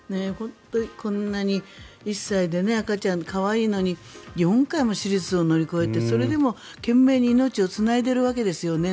こんなに１歳で赤ちゃん、可愛いのに４回も手術を乗り越えてそれでも懸命に命をつないでいるわけですよね。